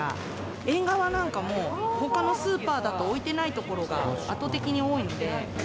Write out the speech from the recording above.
エンガワなんかもほかのスーパーだと置いてない所が圧倒的に多いので。